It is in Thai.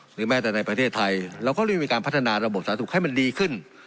แม้แต่ในประเทศไทยเราก็รีบมีการพัฒนาระบบสาธารณสุขให้มันดีขึ้น